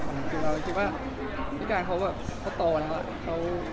ผมก็คิดว่าพี่กานเขาก็โตแล้ว